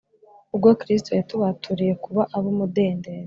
Ubwo Kristo yatubaturiye kuba ab umudendezo